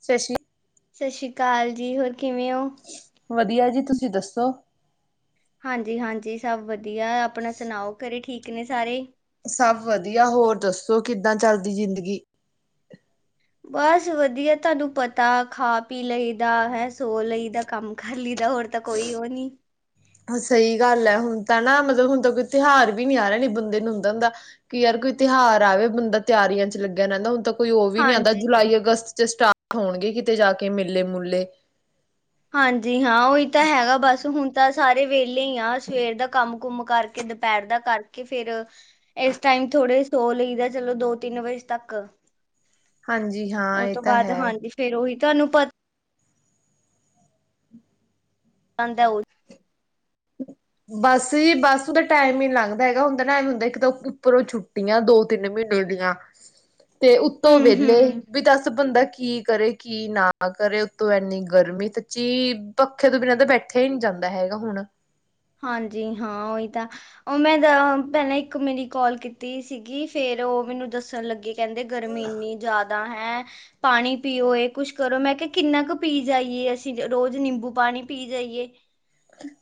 ਸਤਿਰੀ। ਸਤਿ ਸ਼੍ਰੀ ਅਕਾਲ ਜੀ, ਹੋਰ ਕਿਵੇਂ ਹੋ? ਵਧੀਆ ਜੀ ਤੁਸੀਂ ਦੱਸੋ ਹਾਂਜੀ- ਹਾਂਜੀ ਸਭ ਵਧੀਆ ਆਪਣਾ ਸੁਣਾਓ ਘਰੇ ਠੀਕ ਨੇ ਸਾਰੇ ਸਭ ਵਧੀਆ ਹੋਰ ਦੱਸੋ ਕਿੱਦਾਂ ਚੱਲਦੀ ਜ਼ਿੰਦਗੀ ਬਸ ਵਧੀਆ ਤੁਹਾਨੂੰ ਪਤਾ ਖਾ ਪੀ ਲਈ ਦਾ ਹੈ ਸੋ ਲਈ ਦਾ ਕੰਮ ਕਰ ਲਈਦਾ ਹੋਰ ਤਾਂ ਕੋਈ ਉਹ ਨੀ ਸਹੀ ਗੱਲ ਹੈ ਹੁਣ ਤਾਂ ਨਾ ਮਤਲਬ ਹੁਣ ਤਾਂ ਕੋਈ ਤਿਉਹਾਰ ਵੀ ਨੀ ਆ ਰਿਹਾ ਨੀ ਬੰਦੇ ਨੂੰ ਹੁੰਦਾ ਦਾ ਕਿ ਯਾਰ ਕੋਈ ਤਿਉਹਾਰ ਆਵੇ ਬੰਦਾ ਤਿਆਰੀਆਂ 'ਚ ਲੱਗਿਆ ਰਹਿੰਦਾ ਹੁਣ ਤ ਕੋਈ ਉਹ ਵੀ ਨੀ ਆਉਂਦਾ ਹਾਂਜੀ। ਜੁਲਾਈ ਅਗਸਤ ਚ ਸਟਾਰਟ ਹੋਣਗੇ ਕਿਤੇ ਜਾ ਕੇ ਮੇਲੇ- ਮੁਲੇ ਹਾਂਜੀ ਹਾਂ ਉਹੀ ਤਾਂ ਹੈਗਾ ਬਸ, ਹੁਣ ਤਾਂ ਸਾਰੇ ਵੇਲੇ ਹੀ ਆ ਸਵੇਰ ਦਾ ਕੰਮ -ਕੁਮ ਕਰਕੇ ਕੇ ਦੁਪਹਿਰ ਦਾ ਕਰਕੇ ਫੇਰ ਇਸ ਟਾਈਮ ਥੋੜੇ ਸੌ ਲਈਦਾ ਚਲੋ ਦੋ ਤਿੰਨ ਵਜੇ ਤੱਕ ਹਾਂਜੀ ਹਾਂ ਉਹ ਇਹ ਤੋਂ ਤਾਂ ਬਾਅਦ ਹੈ। ਹਾਂਜੀ ਫੇਰ ਉਹੀ ਤੁਹਾਨੂੰ ਪਤਾ [unintelligible] ਬਸ ਹੀ ਬਸ ਉਹਦਾ ਟਾਈਮ ਹੀ ਲੱਗਦਾ ਹੈਗਾ ਹੁੰਦਾ ਨਾ ਹੁੰਦਾ ਇੱਕ ਤਾਂ ਉੱਪਰੋਂ ਛੁੱਟੀਆਂ ਦੋ ਤਿੰਨ ਮਹੀਨੇ ਦੀਆਂ ਤੇ ਉੱਤੋਂ ਵੇਹਲੇ ਹੂੰ-ਹੂੰ ਵੀ ਦੱਸ ਬੰਦਾ ਕੀ ਕਰੇ ਕੀ ਨਾ ਕਰੇ, ਉਤੋਂ ਐਨੀ ਗਰਮੀ ਸੱਚੀ ਪੱਖੇ ਤੋਂ ਬਿਨਾਂ ਤਾਂ ਬੈਠਿਆ ਹੀ ਨਹੀਂ ਜਾਂਦਾ ਹੈਗਾ ਹੁਣ ਹਾਂਜੀ ਹਾਂ ਉਹੀ ਤਾਂ ਉਹ ਮੈਂ ਦ ਪਹਿਲਾਂ ਇੱਕ ਮੇਰੀ ਕਾਲ ਕੀਤੀ ਸੀਗੀ ਫੇਰ ਉਹ ਮੈਨੂੰ ਦੱਸਣ ਲੱਗੇ। ਕਹਿੰਦੇ ਗਰਮੀ ਇੰਨੀ ਜ਼ਿਆਦਾ ਹੈਂ। ਪਾਣੀ ਪੀਓ, ਇਹ ਕੁਛ ਕਰੋ ਮੈਂ ਕਿਹਾ ਕਿੰਨਾ ਕੁ ਪੀ ਜਾਈਏ ਅਸੀਂ ਰੋਜ਼ ਨਿੰਬੂ ਪਾਣੀ ਪੀ ਜਾਈਏ।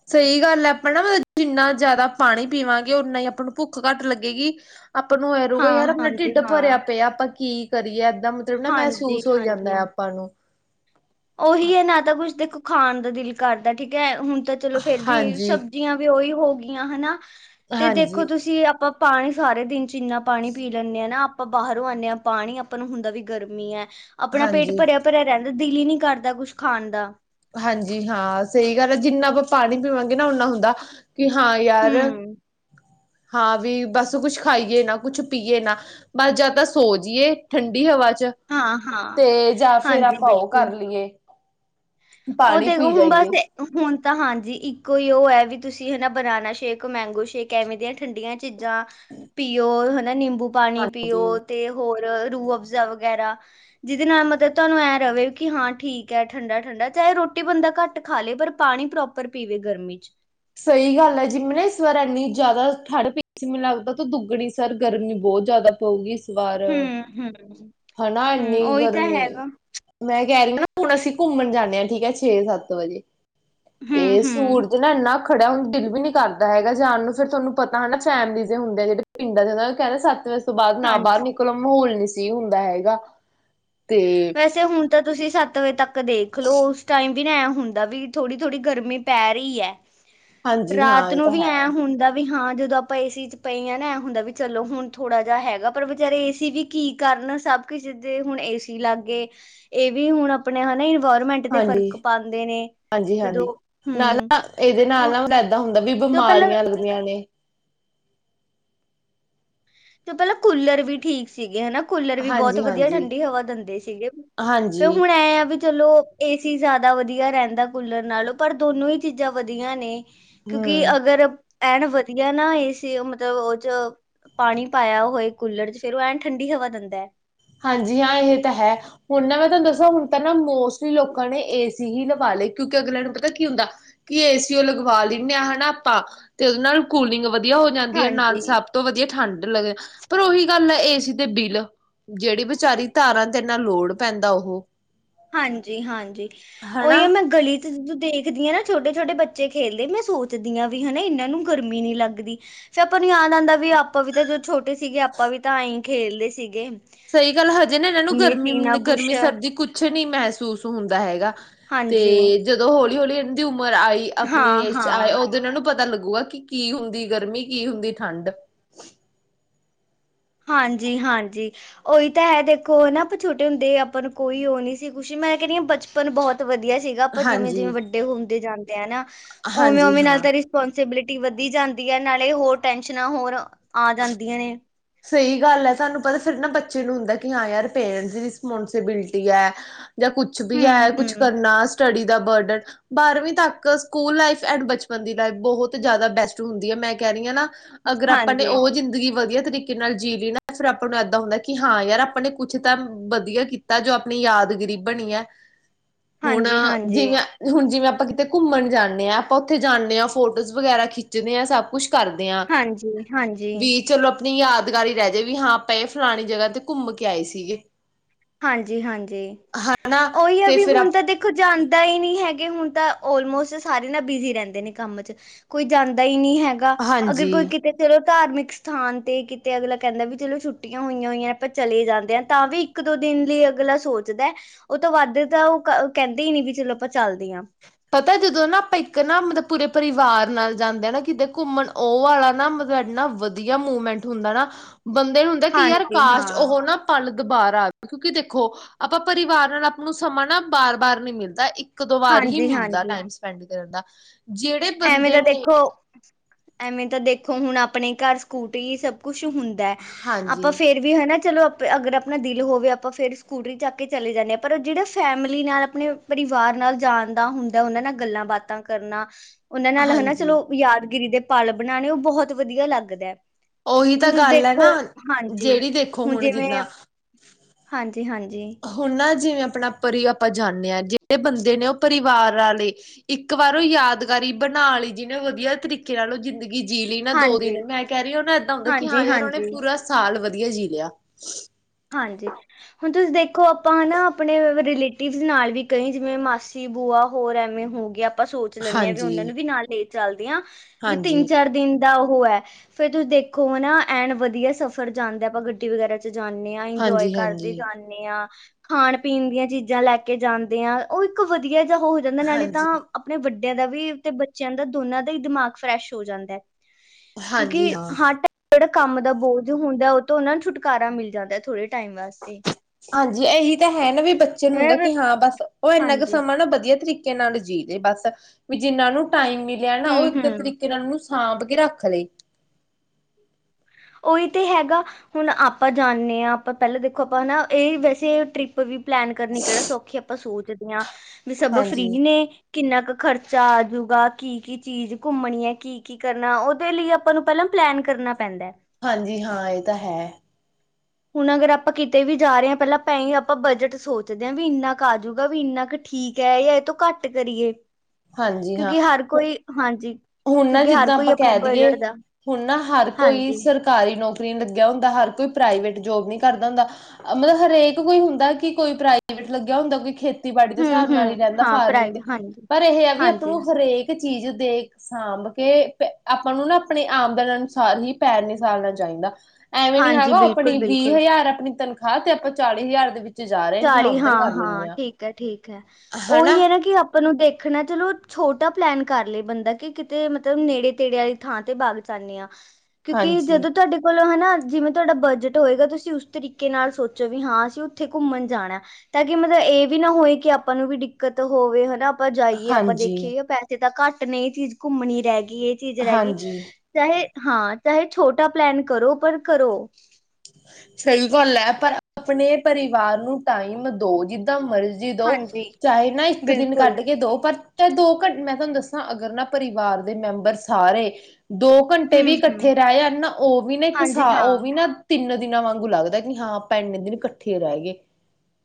ਸਹੀ ਗੱਲ ਹੈ ਆਪਾਂ ਨਾ ਮਤਲਬ ਜਿੰਨਾ ਜ਼ਿਆਦਾ ਪਾਣੀ ਪੀਵਾਂਗੇ ਉਓਨਾ ਹੀ ਆਪਾਂ ਨੂੰ ਭੁੱਖ ਘੱਟ ਲੱਗੇਗੀ ਆਪਾਂ ਨੂੰ ਇਹ ਰੂਗਾ ਹਾਂ ਯਾਰ ਆਪਣਾ ਹਾਂਜੀ ਢਿੱਡ ਹਾਂ ਭਰਿਆ ਪਿਆ ਆਪਾਂ ਕੀ ਕਰੀਏ ਏਦਾਂ ਫਿਰ ਨਾ ਹਾਂਜੀ ਮਹਿਸੂਸ ਹੋ ਜਾਂਦਾ ਹੈ ਹਾਂਜੀ ਆਪਾਂ ਨੂੰ। ਉਹੀ ਹੈ ਨਾ ਤਾਂ ਕੁਛ ਦੇਖੋ ਖਾਣ ਦਾ ਦਿਲ ਕਰਦਾ ਠੀਕ ਹੈ ਹੁਣ ਤਾਂ ਚਲੋ ਫੇਰ ਵੀ ਹਾਂਜੀ ਸਬਜ਼ੀਆਂ ਵੀ ਉਹੀ ਹੋ ਗਈਆਂ ਹਨਾ, ਤੇ ਦੇਖੋ ਹਾਂਜੀ ਤੁਸੀਂ ਆਪਾਂ ਪਾਣੀ ਸਾਰੇ ਦਿਨ ਚ ਇੰਨਾ ਪਾਣੀ ਪੀ ਲੈਂਦੇ ਹਾਂ। ਨਾ ਆਪਾਂ ਬਾਹਰੋਂ ਆਉਂਦੇ ਹਾਂ ਪਾਣੀ ਆਪਾਂ ਨੂੰ ਹੁੰਦਾ ਵੀ ਗਰਮੀ ਹੈ। ਆਪਣਾ ਪੇਟ ਹਾਂਜੀ ਭਰਿਆ-ਭਰਿਆ ਰਹਿੰਦਾ ਦਿਲ ਹੀ ਨਹੀ ਕਰਦਾ ਕੁਛ ਖਾਣ ਦਾ ਹਾਂਜੀ ਹਾਂ ਸਹੀ ਗੱਲ ਹੈ ਜਿੰਨਾ ਆਪਾਂ ਪਾਣੀ ਪੀਵਾਂਗੇ ਨਾ ਓਨਾ ਹੁੰਦਾ। ਕਿ ਹਾਂ ਯਾਰ, ਹਮ ਹਾਂ ਵੀ ਬਸ ਕੁਛ ਖਾਈਏ ਨਾ ਕੁਛ ਪੀਏ ਨਾ ਬਸ ਜਾਂ ਤਾਂ ਸੋ ਜਾਈਏ ਠੰਢਡੀ ਹਵਾ ਚ ਹਾਂ ਹਾਂ ਤੇ ਜਾਂ ਫੇਰ ਹਾਂਜੀ ਆਪਾਂ ਉਹ ਬਿਲਕੁਲ ਕਰ ਲਈਏ ਉਹ ਪਾਣੀ ਤੇ ਪੀ ਜਾਈਏ ਹੁੰਬਾਸੇ ਹੁਣ ਤਾਂ ਹਾਂਜੀ ਇੱਕੋ ਹੀ ਉਹ ਹੈ ਵੀ ਤੁਸੀਂ ਹਨਾ ਬਨਾਨਾ ਸ਼ੇਕ, ਮੈਂਗੋ ਸ਼ੇਕ, ਐਵੇਂ ਦੀਆਂ ਠੰਡੀਆਂ ਚੀਜ਼ਾਂ ਪੀਓ ਹਨਾ ਨਿੰਬੂ ਪਾਣੀ ਹਾਂਜੀ ਪੀਓ। ਤੇ ਹੋਰ ਰੂਹ ਅਫਜ਼ਾ ਵਗੈਰਾ, ਜਿਹਦੇ ਨਾਲ ਮਤਲਬ ਤੁਹਾਨੂੰ ਐਂ ਰਹੇ ਕਿ ਹਾਂ ਠੀਕ ਹੈ। ਠੰਡਾ -ਠੰਡਾ ਚਾਹੇ ਰੋਟੀ ਬੰਦਾ ਘੱਟ ਖਾ ਲਏ ਪਰ ਪਾਣੀ ਪ੍ਰੋਪਰ ਪੀਵੇ ਗਰਮੀ ਚ। ਸਹੀ ਗੱਲ ਹੈ ਜਿਵੇਂ ਨਾ ਇਸ ਵਾਰ ਐੰਨੀ ਜ਼ਿਆਦਾ ਠੰਡ ਪਈ ਸੀ ਮੈਨੂੰ ਲੱਗਦਾ ਉਸ ਤੋਂ ਦੁੱਗਣੀ। ਸਰ ਗਰਮੀ ਬਹੁਤ ਜ਼ਿਆਦਾ ਪਊਗੀ? ਬਾਹਰ ਹੂੰ ਹੂੰ ਹਨਾ ਹੂੰ ਇਨੀ ਉਹੀ ਤਾਂ ਗਰਮੀ। ਹੈਗਾ ਮੈਂ ਕਹਿ ਰਹੀ ਹ ਨਾ ਹੁਣ ਅਸੀਂ ਘੁੰਮਣ ਜਾਂਦੇ ਹਾਂ ਠੀਕ ਹੈ ਛੇ ਸੱਤ ਵਜੇ ਹੂੰ ਤੇ ਹੂੰ ਸੂਰਜ। ਨਾ-ਨਾ, ਖੜਾ ਹੁਣ ਦਿਲ ਵੀ ਨੀ ਕਰਦਾ ਹੈਗਾ ਜਾਣ ਨੂੰ ਫਿਰ ਤੁਹਾਨੂੰ ਪਤਾ ਹਨਾ ਫੈਮਲੀਜ਼ ਦੇ ਹੁੰਦੇ ਆ। ਜਿਹੜੇ ਪਿੰਡਾਂ ਦੇ ਉਹ ਉਹ ਕਹਿੰਦੇ ਸਤ ਵਜੇ ਤੋਂ ਬਾਅਦ ਨਾ ਬਾਹਰ ਹਾਂਜੀ ਨਿਕਲਣਾ ਮਾਹੌਲ ਨਹੀਂ ਸੀ ਹੁੰਦਾ ਹੈਗਾ। ਤੇ ਵੈਸੇ ਹੁਣ, ਤਾਂ ਤੁਸੀਂ ਸੱਤ ਵਜੇ ਤੱਕ ਦੇਖ ਲੋਓ, ਉਸ ਟਾਈਮ ਵੀ ਨਾ ਐ ਹੁੰਦਾ ਵੀ ਥੋੜੀ ਥੋੜ੍ਹੀ ਗਰਮੀ ਪੈ ਰਹੀ ਹੈ ਹਾਂਜੀ ਹਾਂ ਰਾਤ ਇਹ ਨੂੰ ਤਾਂ ਵੀ ਹੈ ਐਂ ਹੁੰਦਾ ਵੀ ਹਾਂ ਜਦੋਂ ਆਪਾਂ ਏਸੀ ਚ ਪਏ ਹਾਂ ਨਾ ਇਹ ਹੁੰਦਾ ਵੀ ਚਲੋ ਹੁਣ ਥੋੜਾ ਜਿਹਾ ਹੈਗਾ ਪਰ ਵਿਚਾਰੇ ਏ ਸੀ ਵੀ ਕੀ ਕਰਨ ਸਭ ਕੁਛ ਜਿ ਹੁਣ ਏਸੀ ਲੱਗ ਗਏ ਇਹ ਵੀ ਹੁਣ ਆਪਣੇ ਹਨਾ ਗੌਰਮੈਂਟ ਤੇ ਹਾਂਜੀ ਫ਼ਰਕ ਪਾਂਦੇ ਨੇ, ਹਾਂਜੀ ਜਦੋਂ ਹਾਂਜੀ ਨਾਲ ਹੂੰ ਨਾ ਇਹਦੇ ਨਾਲ ਨਾ ਏਦਾਂ ਹੁੰਦਾ ਵੀ ਬਿਮਾਰੀਆਂ ਲੱਗਦੀਆਂ ਨੇ। ਤੇ ਪਹਿਲਾਂ ਕੂਲਰ ਵੀ ਠੀਕ ਸੀਗੇ ਹਨਾ ਕੂਲਰ ਵੀ ਬਹੁਤ ਹਾਂਜੀ ਵਧੀਆ ਹਾਂਜੀ ਠੰਡੀ ਹਵਾ ਦਿੰਦੇ ਸੀਗੇ, ਤੇ ਹਾਂਜੀ ਹੁਣ ਐਂ ਵੀ ਚਲੋ ਏਸੀ ਜ਼ਿਆਦਾ ਵਧੀਆ ਰਹਿੰਦਾ ਕੂਲਰ ਨਾਲੋਂ, ਪਰ ਦੋਨੋ ਹੀ ਚੀਜ਼ਾਂ ਵਧੀਆ ਨੇ। ਕਿਉਂਕਿ ਹਮ ਅਗਰ ਐਨ ਵਧੀਆ ਨਾ, ਏਸੀ ਮਤਲਬ ਉਹ ਚ ਪਾਣੀ ਪਾਇਆ ਹੋਏ ਕੂਲਰ ਚ, ਫੇਰ ਉਹ ਐਂਨ ਠੰਡੀ ਹਵਾ ਦਿੰਦਾ। ਹਾਂਜੀ ਹਾਂ, ਇਹ ਤਾਂ ਹੈ। ਹੁਣ ਨਾ ਮੈਂ ਤੁਹਾਨੂੰ ਦੱਸਾਂ, ਹੁਣ ਤਾਂ ਨਾ ਮੋਸਟਲੀ ਲੋਕਾਂ ਨੇ ਏ ਸੀ ਹੀ ਲਵਾ ਲਏ, ਕਿਉਂਕਿ ਅਗਲਿਆਂ ਨੂੰ ਪਤਾ ਕੀ ਹੁੰਦਾ ਕਿ ਏਸੀ ਉਹ ਲਗਵਾ ਲੀਨੇ ਆਂ ਹਨਾ ਆਪਾਂ, ਤੇ ਉਹਦੇ ਨਾਲ ਕੂਲਿੰਗ ਵਧੀਆ ਵਧੀਆ ਹੋ ਜਾਂਦੀ ਐ ਨਾਲ ਹਾਂਜੀ, ਸਭ ਤੋਂ ਵਧੀਆ ਠੰਢ ਲੱਗ, ਪਰ ਉਹੀ ਗੱਲ ਐ ਏਸੀ ਦੇ ਬਿੱਲ। ਜਿਹੜੀ ਵਿਚਾਰੀ ਤਾਰਾਂ ਤੇ ਏਨਾ ਲੋਡ ਪੈਂਦਾ ਉਹ। ਹਾਂਜੀ-ਹਾਂਜੀ, ਹਨਾ ਉਹੀਓ ਮੈਂ ਗਲੀ ਤੇ ਜਦੋਂ ਦੇਖਦੀ ਆਂ ਨਾ ਛੋਟੇ-ਛੋਟੇ ਬੱਚੇ ਖੇਲਦੇ, ਮੈਂ ਸੋਚਦੀ ਆਂ ਵੀ ਹਨਾ ਇਹਨਾਂ ਨੂੰ ਗਰਮੀ ਨੀ ਲੱਗਦੀ। ਫਿਰ ਆਪਾਂ ਨੂੰ ਯਾਦ ਆਂਦਾ ਵੀ ਆਪਾਂ ਵੀ ਤਾਂ ਜਦ ਛੋਟੇ ਸੀਗੇ, ਆਪਾਂ ਵੀ ਤਾਂ ਆਏਂ ਖੇਲਦੇ ਸੀਗੇ। ਸਹੀ ਗੱਲ ਹਜੇ ਨਾ ਇਹਨਾਂ ਨੂੰ ਗਰਮੀ ਸੀ ਨਾ ਕੁਛ ਗਰਮੀ-ਗਰਮੀ, ਸਰਦੀ ਕੁਛ ਨੀ ਮਹਿਸੂਸ ਹੁੰਦਾ ਹੈਗਾ। ਤੇ ਹਾਂਜੀ ਜਦੋਂ ਹੌਲੀ-ਹੌਲੀ ਇਹਨਾਂ ਦੀ ਉਮਰ ਆਈ ਆਪਣੀ ਹਾਂ, ਏਜ ਚ ਆਏ, ਹਾਂ। ਉਦੋਂ ਇਹਨਾਂ ਨੂੰ ਪਤਾ ਲੱਗੂਗਾ ਕਿ ਕੀ ਹੁੰਦੀ ਗਰਮੀ, ਕੀ ਹੁੰਦੀ ਠੰਡ? ਹਾਂਜੀ-ਹਾਂਜੀ ਉਹੀ ਤਾਂ ਹੈ ਦੇਖੋ ਹਨਾ, ਆਪਾਂ ਛੋਟੇ ਹੁੰਦੇ ਆਪਾਂ ਨੂੰ ਕੋਈ ਉਹ ਨੀ ਸੀ ਕੁਛ, ਮੈਂ ਕਹਿਣੀ ਹਾਂ ਬਚਪ ਪਨ ਬਹੁਤ ਵਧੀਆ ਸੀਗਾ, ਆਪਾਂ ਜਿਵੇਂ-ਜਿਵੇਂ ਹਾਂਜੀ, ਵੱਡੇ ਹੁੰਦੇ ਜਾਂਦੇ ਆ, ਨਾ ਹਾਂਜੀ ਉਵੇਂ-ਉਵੇਂ ਨਾਲੇ ਹਾਂ। ਤਾਂ ਰਿਸ ਰਿਸਪੋਂਸੀਬਿਲਟੀ ਵਧੀ ਜਾਂਦੀ ਐ, ਨਾਲੇ ਹੋਰ ਟੈਸ਼ਨਾਂ ਹੋਰ ਆ ਜਾਂਦੀਆਂ ਨੇ। ਸਹੀ ਗੱਲ ਐ, ਤੁਹਾਨੂੰ ਪਤਾ ਫਿਰ ਨਾ ਬੱਚੇ ਨੂੰ ਹੁੰਦਾ, ਕਿ ਹਾਂ ਯਾਰ ਪੇਰੈਂਟਸ ਦੀ ਰਿਸਪੋਂਸੀਬਿਲਟੀ ਐ। ਜਾਂ ਕੁਛ ਵੀ ਐ, ਕੁਛ ਹੂੰ-ਹੂੰ, ਕਰਨਾ ਸਟੱਡੀ ਦਾ ਬਰਡਨ ਬਾਰਵੀਂ ਤੱਕ ਸਕੂਲ ਲਾਈਫ ਐਂਡ ਬਚਪਨ ਦੀ ਲਾਈਫ ਬਹੁਤ ਜ਼ਿਆਦਾ ਬੈਸਟ ਹੁੰਦੀ ਐ, ਮੈਂ ਕਹਿ ਰਈ ਆਂ ਨਾ। ਅਗਰ ਆਪਾਂ ਨੇ ਹਾਂਜੀ, ਉਹ ਜ਼ਿੰਦਗੀ ਵਧੀਆ ਤਰੀ ਨਾਲ ਜੀ ਲਈ ਨਾ ਫਿਰ ਆਪਾਂ ਨੂੰ ਏਦਾਂ ਹੁੰਦਾ, ਕਿ ਹਾਂ ਯਾਰ ਆਪਾਂ ਨੇ ਕੁਛ ਤਾਂ ਵਧੀਆ ਕੀ ਤਾ ਜੋ ਆਪਣੀ ਯਾਦਗਿਰੀ ਬਣੀ ਐ, ਹੁਣ ਹਾਂਜੀ-ਹਾਂਜੀ, ਜਿਵੇਂ ਹੁਣ ਜਿਵੇਂ ਆਪਾਂ ਕਿਤੇ ਘੁੰਮਣ ਜਾਂਨੇ ਆਂ, ਆਪਾਂ ਉੱਥੇ ਜਾਂਨੇ ਆਂ ਫੋਟੋਜ਼ ਵਗੈਰਾ ਖਿੱਚਦੇ ਆਂ, ਸਭ ਕੁੱਛ ਕਰਦੇ ਆਂ ਹਾਂਜੀ-ਹਾਂਜੀ, ਵੀ ਚਲੋ ਆਪਣੀ ਯਾਦਗਾਰੀ ਰਹਿਜੇ, ਵੀ ਹਾਂ ਆਪਾਂ ਇਹ ਫਲਾਣੀ ਜਗ੍ਹਾ ਤੇ ਘੁੰਮ ਕੇ ਆਏ ਸੀਗੇ। ਹਾਂਜੀ-ਹਾਂਜੀ, ਹਨਾ ਉਹੀ ਆ ਤੇ ਵੀ ਫਿਰ ਹੁਣ ਤਾਂ ਦੇਖ ਦੇਖੋ ਜਾਂਦਾ ਹੀ ਨਹੀਂ ਹੈਗੇ, ਹੁਣ ਤਾਂ ਔਲਮੋਸਟ ਸਾਰੇ ਨਾ ਬਿਜ਼ੀ ਰਹਿੰਦੇ ਨੇ ਕੰਮ ਚ। ਕੋਈ ਜਾਂਦਾ ਹੀ ਨਹੀਂ ਹੈਗਾ, ਅਗਰ ਕੋਈ ਹਾਂਜੀ। ਕਿਤੇ ਚਲੋ ਧਾਰਮਿਕ ਸਥਾਨ ਤੇ ਕਿਤੇ ਅਗਲਾ ਕਹਿੰਦਾ ਵੀ ਚਲੋ ਛੁੱਟੀਆਂ ਹੋਈਆਂ-ਹੋਈਆਂ ਆਪਾਂ ਚਲੇ ਜਾਂਦੇ ਆਂ, ਤਾਂ ਵੀ ਇੱਕ ਦੋ ਦਿਨ ਲਈ ਅਗਲਾ ਸੋਚਦਾ, ਉਹ ਤੋਂ ਵੱਧ ਤਾਂ ਉਹ ਕਹਿੰਦੇ ਹੀ ਨੀ ਵੀ ਚਲੋ ਆਪਾਂ ਚੱਲਦੇ ਆਂ। ਪਤਾ ਜਦੋਂ ਨਾ ਆਪਾਂ ਇੱਕ ਨਾ ਮਤਲਬ ਪੂਰੇ ਪਰਿਵਾਰ ਨਾਲ ਜਾਂਦੇ ਆਂ ਨਾ ਕਿਤੇ ਘੁੰਮਣ ਉਹ ਵਾਲਾ ਨਾ ਮਤਲਬ ਐਨਾ ਵਧੀਆ ਮੂਵਮੈਂਟ ਹੁੰਦਾ ਨਾ ਬੰਦੇ ਨੂੰ ਹੁੰਦਾ ਕਿ ਯਾਰ ਹਾਂਜੀ ਹਾਂ ਕਾਸ਼ ਉਹ ਨਾ ਪਲ ਦੁਬਾਰਾ ਆ, ਕਿਉਂਕਿ ਦੇਖੋ ਆਪਾਂ ਪਰਿਵਾਰ ਨਾਲ ਆਪ ਨੂੰ ਸਮਾਂ ਨਾ ਵਾਰ-ਵਾਰ ਨੀ ਮਿਲਦਾ। ਇਕ ਦੋ ਵਾਰ ਹੀ ਹਾਂਜੀ ਮਿਲਦਾ, ਹਾਂਜੀ ਟਾਈਮ ਸਪੈਂਡ ਕਰਨ ਦਾ। ਜਿਹੜੇ ਐਵੇਂ ਬੰਦੇ ਤਾਂ ਨੇ ਦੇਖੋ ਐਵੇਂ ਤਾਂ ਦੇਖੋ ਹੁਣ ਆਪਣੇ ਘਰ ਸਕੂਟੀ ਸਭ ਕੁਛ ਹੁੰਦਾ, ਆਪਾਂ ਫੇਰ ਫਿਰ ਵੀ ਹਨਾ ਚਲੋ ਆਪ ਅਗਰ ਆਪਣਾ ਦਿਲ ਹੋਵੇ ਆਪਾਂ ਫਿਰ ਸਕੂਟਰੀ ਚੱਕ ਕੇ ਚਲੇ ਜਾਂਨੇ ਆਂ, ਪਰ ਜਿਹੜਾ ਫੈਮਲੀ ਨਾਲ ਆਪਣੇ ਪਰਿਵਾਰ ਨਾਲ ਜਾਣ ਦਾ ਹੁੰਦਾ, ਉਹਨਾਂ ਨਾਲ ਗੱਲਾਂ ਬਾਤਾਂ ਕਰਨਾ। ਉਹਨਾਂ ਨਾਲ ਹਨਾ ਚਲੋ ਹਾਂਜੀ-ਹਾਂਜੀ ਯਾਦਗਿਰੀ ਦੇ ਪਲ ਬਣਾਣੇ, ਉਹ ਬਹੁਤ ਵਧੀਆ ਲੱਗਦਾ। ਉਹੀ ਹੁਣ ਤਾਂ ਤੁਸੀਂ ਗੱਲ ਹੈ ਨਾ ਦੇਖੋ, ਹਾਂਜੀ ਜਿਹੜੀ ਦੇਖੋ ਹੁਣ ਜਿਵੇਂ ਜਿੱਦਾਂ ਹਾਂਜੀ-ਹਾਂਜੀ। ਹੁਣ ਨਾ ਜਿਵੇਂ ਆਪਣਾ ਪਰੀ ਆਪਾਂ ਜਾਂਨੇ ਆਂ ਜਿਹੜੇ ਬੰਦੇ ਨੇ ਉਹ ਪਰਿਵਾਰ ਆਲੇ ਇੱਕ ਵਾਰ ਉਹ ਯਾਦਗਾਰੀ ਬਣਾ ਲਈ ਜਿਹਨੇ ਵਧੀਆ ਤਰੀਕੇ ਨਾਲ, ਉਹ ਜ਼ਿੰਦਗੀ ਜੀ ਲਈ ਨਾ ਦੋ ਹਾਂਜੀ ਹਾਂਜੀ ਦਿਨ ਮੈਂ ਕਹਿ ਰਹੀ ਉਹਨ ਇੱਦਾਂ ਹੁੰਦਾ ਕਿ ਹਾਂਜੀ ਹਾਂ ਯਾਰ ਉਹਨੇ ਹਾਂਜੀ ਪੂਰਾ ਸਾਲ ਵਧੀਆ ਜੀ ਲਿਆ ਹਾਂਜੀ ਹੁਣ ਤੁਸੀਂ ਦੇਖੋ ਆਪਾਂ ਹੈ ਨਾ ਆਪਣੇ ਰਿਲੇਟ ਨਾਲ ਵੀ ਕਈ ਜਿਵੇਂ ਮਾਸੀ ਬੂਆ ਹੋਰ ਐਵੇਂ ਹੋਗੇ ਆਪਾਂ ਸੋਚ ਲੈਂਦੇ ਹਾਂ ਵੀ ਹਾਂਜੀ ਉਹਨਾਂ ਨੂੰ ਵੀ ਨਾਲ ਚੱਲਦੀਆਂ ਵੀ ਤਿੰਨ ਹਾਂਜੀ ਚਾਰ ਦਿਨ ਉਹ ਹੈ ਫੇਰ ਤੁਸੀਂ ਦੇਖੋ ਨਾ ਐਨ ਵਧੀਆ ਸਫ਼ਰ ਜਾਂਦਾ ਆਪਾਂ ਗੱਡੀ ਵਗੈਰਾ ਚ ਜਾ ਨ ਇੰਜੋਏ ਹਾਂਜੀ ਕਰਦੇ ਹਾਂਜੀ ਜਾਂਦੇ ਖਾਣ ਪੀਣ ਦੀਆਂ ਚੀਜ਼ਾਂ ਲੈ ਕੇ ਜਾਂਦੇ ਆਾਂ ਉਹ ਇੱਕ ਵਧੀਆ ਜਿ ਜਾਂ ਨਾਲੇ ਤਾਂ ਹਾਂਜੀ ਆਪਣੇ ਵੱਡਿਆਂ ਦਾ ਵੀ ਤੇ ਬੱਚਿਆਂ ਦਾ ਦੋਨਾਂ ਦਾ ਹੀ ਦਿਮਾਗ ਫਰੈਸ਼ ਹੋ ਜਾਂਦਾ ਹੈ ਕਿਉਂਕਿ ਹਾਂਜੀ ਹਾਂ ਹਰ ਟਾਈਮ ਜਿਹੜਾ ਕੰਮ ਦਾ ਬੋਝ ਹੁੰਦਾ ਉਹ ਤੋਂ ਉਹਨਾਂ ਨੂੰ ਛੁਟਕਾਰਾ ਮਿਲ ਜਾਂਦਾ। ਥੋੜੇ ਟਾਈਮ ਵਾਸਤੇ। ਹਾਂਜੀ ਇਹੀ ਤਾਂ ਹੈ ਨਾ ਵੀ ਬੱਚੇ ਨੂੰ ਹੁੰਦਾ ਮੈਂ ਕਿ ਹਾਂ ਬਸ ਉਹ ਇੰਨਾ ਕੁ ਹਾਂਜੀ ਸਮਾਂ ਨਾ ਵਧੀਆ ਤਰੀਕੇ ਤਰੀਕੇ ਨਾਲ ਜੀ ਦੇ ਬਸ ਵੀ ਜਿੰਹਨਾ ਨੂੰ ਟਾਈਮ ਮਿਲਿਆ ਨਾ ਉਹ ਹੂੰ ਇੱਕ ਹੂੰ ਤਰੀਕੇ ਨਾਲ ਸਾਂਭ ਕੇ ਰੱਖ ਲਈ। ਉਹੀ ਤੇ ਹੈਗਾ ਹੁਣ ਆਪਾਂ ਜਾਂਦੇ ਹਾਂ ਆਪਾਂ ਪਹਿਲਾਂ ਦੇਖੋ ਆਪਾਂ ਨਾ ਇਹ ਵੈਸੇ ਟ੍ਰਿਪ ਵੀ ਪਲੈਨ ਕਰਨੀ ਕਿਹੜਾ ਸੌਖ਼ੀ ਆ, ਆਪਾਂ ਸੋਚਦੇ ਹਾਂ ਵੀ ਸਭ ਫ੍ਰੀ ਹਾਂਜੀ ਨੇ। ਕਿੰਨਾ ਕੁ ਖਰਚਾ ਆਜੂਗਾ, ਕੀ-ਕੀ ਚੀਜ਼ ਘੁੰਮਣੀ ਐ, ਕੀ ਕੀ ਕਰਨਾ, ਉਹਦੇ ਲਈ ਆਪਾਂ ਨੂੰ ਪਹਿਲਾਂ ਪਲੈਨ ਕਰਨਾ ਪੈਂਦੈ। ਹਾਂਜੀ ਹਾਂ, ਇਹ ਤਾਂ ਹੈ। ਹੁਣ ਅਗਰ ਆਪਾਂ ਕਿਤੇ ਵੀ ਜਾ ਰਹੇ ਹਾਂ, ਪਹਿਲਾਂ ਆਪਾਂ ਬਜਟ ਸੋਚਦੇ ਹਾਂ ਵੀ ਇੰਨਾ ਕੁ ਆਜੂਗਾ, ਵੀ ਇੰਨਾ ਕੁ ਠੀਕ ਹੈ ਜਾਂ ਇਹ ਤੋਂ ਘੱਟ ਕਰੀਏ ਹਾਂਜੀ ਹਾਂ ਕਿਉਂਕਿ ਹਰ ਹੁ ਕੋਈ ਹਾਂਜੀ ਹੁਣ ਨਾ ਕਿਉਂਕਿ ਹਰ ਜਿੱਦਾਂ ਕੋਈ ਆਪਾਂ ਆਪਣੇ ਕਹਿ ਦੀਏ, ਬਜਟ ਦਾ ਹੁਣ ਨਾ ਹਰ ਕੋਈ ਹਾਂਜੀ ਸਰ ਸਰਕਾਰੀ ਨੌਕਰੀ ਨਹੀ ਲੱਗਿਆ ਹੁੰਦਾ ਹਰ ਕੋਈ ਪ੍ਰਾਈਵੇਟ ਜੋਬ ਨਹੀਂ ਕਰਦਾ ਹੁੰਦਾ। ਮਤਲਬ ਹਰੇਕ ਕੋਈ ਹੁੰਦਾ ਕਿ ਕੋਈ ਪ੍ਰਾਈਵੇਟ ਲੱਗਿਆ ਹੁੰਦਾ ਕੋਈ ਖੇ ਖੇਤੀਬਾੜੀ ਦੇ ਹੂੰ ਹਿਸਾਬ ਨਾਲ ਹੀ ਹੂੰ ਰਹਿੰਦਾ ਹਾਂ ਫਾਰਮਿੰਗ ਦੇ ਪ੍ਰਾਈਵੇਟ ਹਾਂਜੀ ਪਰ ਇਹ ਹੈ ਵੀ ਆਪਾ ਹਾਂਜੀ ਨੂੰ ਹਰੇਕ ਚੀਜ਼ ਦੇ ਸਾਂਭ ਕੇ ਆਪਾਂ ਨੂੰ ਨਾ ਆਪਣੀ ਆਮਦਨ ਅਨੁਸਾਰ ਹੀ ਪੈਰ ਨਿਸਾਰਨਾ ਚਾਹੀਦਾ। ਐਵੇਂ ਨੀ ਹਾਂਜੀ ਹੈਗਾ ਉਹ ਆਪਣੀ ਬਿਲਕੁਲ ਵੀਹ ਬਿਲਕੁਲ ਹਜ਼ਾਰ ਆਪਣੀ ਤਨਖਾਹ ਤੇ ਆਪਾਂ ਚਾਲੀ ਹਜ਼ਾਰ ਦੇ ਵਿੱਚ ਜਾ ਰਹੇ ਕਿ ਚਾਲੀ ਹਾਂ ਉੱਧਰ ਕਰ ਲੈਂਦੇ ਹਾਂ ਠੀਕ ਹੈ ਠੀਕ ਹੈ ਹਨਾ ਉਹੀ ਹੈ ਨਾ ਕਿ ਆਪਾਂ ਨੂੰ ਦੇਖਣਾ ਚਲੋ ਛੋਟਾ ਪਲੈਨ ਕਰ ਲਏ ਬੰਦਾ ਕਿ ਕਿਤੇ ਮਤਲਬ ਨੇੜੇ ਤੇੜੇ ਵਾਲੀ ਥਾਂ ਤੇ ਬਗ ਜਾਂਦੇ ਹਾਂ ਕਿਉਂਕਿ ਹਾਂਜੀ ਜਦੋਂ ਤੁਹਾਡੇ ਕੋਲੋਂ ਹੈਨਾ। ਜਿਵੇਂ ਤੁਹਾਡਾ ਬਜਟ ਹੋਏਗਾ, ਤੁਸੀਂ ਉਸ ਤਰੀਕੇ ਨਾਲ ਸੋਚੋ ਵੀ ਹਾਂ ਅਸੀਂ ਉੱਥੇ ਘੁੰਮਣ ਜਾਣਾ ਤਾਂ ਕਿ ਮਤਲਬ ਇਹ ਵੀ ਨਾ ਹੋਏ ਕਿ ਆਪਾਂ ਨੂੰ ਵੀ ਦਿੱਕਤ ਹੋਵੇ ਹਨਾ ਆਪਾਂ ਜਾਈਏ ਆਪਾਂ ਹਾਂਜੀ ਦੇਖੀਏ ਪੈਸੇ ਤਾਂ ਘੱਟ ਨੇ ਇਹ ਚੀਜ਼ ਘੁੰਮਣੀ ਰਹਿ ਗਈ ਇਹ ਚੀਜ਼ ਰਹਿ ਗਈ ਹਾਂਜੀ ਚਾਹੇ ਹਾਂ ਚਾਹੇ ਛੋਟਾ ਪਲੈਨ ਕਰੋ ਪਰ ਕਰੋ। ਸਹੀ ਗੱਲ ਹੈ ਪਰ ਆਪਣੇ ਪਰਿਵਾਰ ਨੂੰ ਟਾਈਮ ਦੋ ਜਿ ਜਿੰਨਾ ਮਰਜ਼ੀ ਦਓ ਹਾਂਜੀ ਚਾਹੇ ਨਾ ਇੱਕ ਦਿਨ ਬਿਲਕੁਲ ਕੱਢ ਕੇ ਦੋ ਪਰ ਤੇ ਦੋ ਘਟ, ਮੈਂ ਤੁਹਾਨੂੰ ਦੱਸਾਂ, ਅਗਰ ਨਾ ਪਰਿਵਾਰ ਦੇ ਮੈਂਬਰ ਸਾਰੇ ਦੋ ਘੰਟੇ ਹੂੰ ਵੀ ਹੂੰ ਇਕੱਠੇ ਰੈਹ ਜਾਣ ਨਾ ਉਹ ਵੀ ਨਾ ਇੱਕ ਹਾਂਜੀ ਹਾਂ ਉਹ ਵੀ ਨਾ ਤਿੰਨ ਦਿਨਾਂ ਵਾਂਗੂ ਲੱਗਦਾ ਕਿ ਹਾਂ ਆਪਾਂ ਇਨੇ ਦਿਨ ਇਕੱਠੇ ਰਹਿ ਗਏ।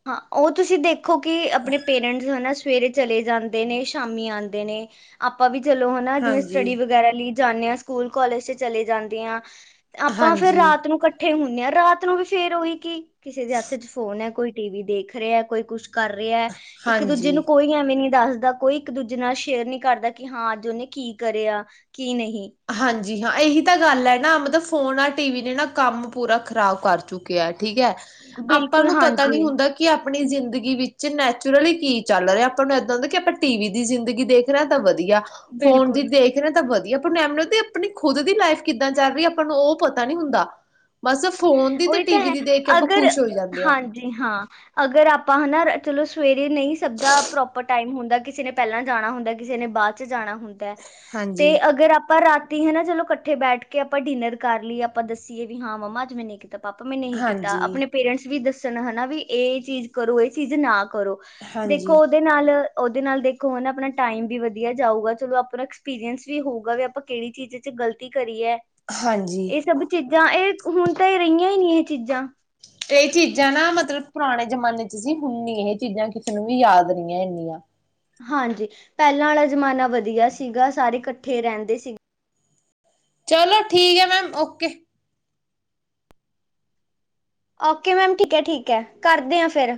ਹਾਂ ਉਹ ਤੁਸੀਂ ਦੇਖੋ ਕਿ ਆਪਣੇ ਪੇਰੈਂਟਸ ਹਨਾ ਸਵੇਰੇ ਚਲੇ ਜਾਂਦੇ ਨੇ ਸ਼ਾਮੀ ਆਂਦੇ ਨੇ ਆਪਾਂ ਵੀ ਚਲੋ ਹੈ ਨਾ ਜਿਵੇਂ ਹਾਂਜੀ ਸਟੱਡੀ ਵਗ ਵਗੈਰਾ ਲਈ ਜਾਂਦੇ ਹ ਸਕੂਲ ਕਾਲਜ ਤੇ ਚਲੇ ਜਾਂਦੇ ਆ ਤੇ ਆਪਾਂ ਫੇਰ ਹਾਂਜੀ ਰਾਤ ਨੂੰ ਇਕੱਠੇ ਇਕੱਠੇ ਹੁੰਦੇ ਆ ਰਾਤ ਨੂੰ ਵੀ ਫੇਰ ਉਹੀ ਕੀ ਕਿਸੇ ਦੇ ਹੱਥ ਚ ਫੋਨ ਹੈ ਕੋਈ ਟੀ ਵੀ ਦੇਖ ਰਿਹਾ ਹੈ ਕੋਈ ਕੁਛ ਕਰ ਰਿਹੈ, ਇੱਕ ਦੂਜੇ ਨੂੰ ਹਾਂਜੀ ਕੋਈ ਐਵੇਂ ਨੀ ਦੱਸਦਾ। ਕੋਈ ਇੱਕ ਦੂਜੇ ਨਾਲ ਸ਼ੇਅਰ ਨਹੀਂ ਕਰਦਾ ਕਿ ਹਾਂ ਅੱਜ ਉਹਨੇ ਕੀ ਕਰਿਆ ਕੀ ਨਹੀਂ। ਹਾਂਜੀ ਹਾਂ, ਇਹੀ ਤਾਂ ਗੱਲ ਏ ਨਾ। ਮਤਲਬ ਫੋਨ ਆ ਟੀ ਵੀ ਨੇ ਨਾ ਕੰਮ ਪੂਰਾ ਖ਼ਰਾਬ ਕਰ ਚੁੱਕਿਆ, ਠੀਕ ਐ। ਆਪਾਂ ਬਿਲਕੁਲ ਨੂੰ ਪਤਾ ਹਾਂਜੀ ਨਹੀਂ ਹੁੰਦਾ ਕਿ ਕਿ ਆਪਣੀ ਜ਼ਿੰਦਗੀ ਵਿੱਚ ਨੈਚੁਰਲੀ ਕੀ ਚੱਲ ਰਿਹਾ ਆਪਾਂ ਨੂੰ ਇਦਾਂ ਹੁੰਦਾ ਕਿ ਆਪਾਂ ਟੀ ਵੀ ਦੀ ਜ਼ਿੰਦਗੀ ਦੇਖ ਦੇਖਣਾ ਤਾਂ ਵਧੀਆ ਫੋਨ ਦੀ ਬਿਲਕੁਲ ਦੇਖਣਾ ਤਾਂ ਵਧੀਆ ਪਰ ਤੇ ਅਪਣੀ ਖੁਦ ਦੀ ਲਾਈਫ ਕਿੱਦਾਂ ਚੱਲ ਰਹੀ, ਆਪਾਂ ਨੂੰ ਓਹ ਪਤਾ ਨੀ ਹੁੰਦਾ। ਬਸ ਫੋਨ ਦੀ ਤੇ ਟੀ ਵੀ ਦੀ ਦੇਖ ਕੇ ਆਪਾਂ ਖੁਸ਼ ਹੋ ਜਾਂਦੇ ਹਾਂ। ਜੀ ਹਾਂ। ਅਗਰ ਆਪਾਂ ਹਨਾ ਚਲੋ ਸਵੇਰੇ ਨਹੀਂ ਸਭ ਦਾ ਪ੍ਰੋਪਰ ਟਾਈਮ ਹੁੰਦਾ ਕਿਸੇ ਨੇ ਪਹਿਲਾਂ ਜਾਣਾ ਹੁੰਦਾ ਕਿਸੇ ਨੇ ਬਾਅਦ ਚ ਚ ਜਾਣਾ ਹੁੰਦਾ ਹੈ ਤੇ ਹਾਂਜੀ ਅਗਰ ਆਪਾਂ ਰਾਤ ਟੀ ਹੈ ਨਾ, ਚਲੋ ਕੱਠੇ ਬੈਠ ਕੇ ਆਪਾਂ ਡਿਨਰ ਕਰ ਲੀਏ, ਆਪਾਂ ਦੱਸੀਏ ਵੀ ਹਾਂ ਮੰਮਾ ਅੱਜ ਮੈ ਨੀ ਤਾਂ ਪਾਪਾ ਮੈਂ ਨਹੀਂ ਕੀਤਾ। ਹਾਂਜੀ ਆਪਣੇ ਪੇਰੈਂਟਸ ਵੀ ਦੱਸਣ ਹੈਨਾ ਵੀ ਇਹ ਚੀਜ਼ ਕਰੋ, ਇਹ ਚੀਜ਼ ਨਾ ਕਰੋ। ਹਾਂਜੀ ਦੇਖੋ ਉਹਦੇ ਨਾਲ, ਉਹਦੇ ਨਾਲ ਦੇਖੋ ਹੈਨਾ ਆਪਣਾ ਟਾਈਮ ਵੀ ਵਧੀਆ ਜਾਊਗਾ, ਚਲੋ ਆਪਣਾ ਐਕਸਪੀਰੀਅੰਸ ਵੀ ਹੋਊਗਾ, ਵੀ ਆਪਾਂ ਕਿਹੜੀ ਚੀਜ਼ ਚ ਗ਼ਲਤੀ ਕਰੀ ਹੈ। ਹਾਂਜੀ ਇਹ ਸਭ ਚੀਜ਼ਾਂ, ਇਹ ਹੁਣ ਤੇ ਏ ਰਹੀਆਂ ਹੀ ਨਹੀਂ ਇਹ ਚੀਜ਼ਾਂ। ਇਹ ਚੀਜ਼ਾਂ ਨਾ ਮਤਲਬ ਪੁਰਾਣੇ ਜਮਾਨੇ ਚ ਸੀਂ, ਹੁੰਣ ਨੀ ਇਹ ਚੀਜ਼ਾਂ ਕਿਸੇ ਨੂੰ ਵੀ ਯਾਦ ਨਹੀਂ ਹੈ ਇੰਨੀਆਂ। ਹਾਂਜੀ ਪਹਿਲਾਂ ਵਾਲਾ ਜ਼ਮਾਨਾ ਵਧੀਆ ਸੀਗਾ ਸਾਰੇ ਇਕੱਠੇ ਰਹਿੰਦੇ ਸੀ। ਚਲੋ ਠੀਕ ਐ ਮੈਮ, ਓਕੇ। ਓਕੇ ਮੈਮ ਠੀਕ ਹੈ ਠੀਕ ਹੈ ਕਰਦੇ ਹਾਂ ਫਿਰ